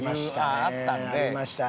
ありましたね。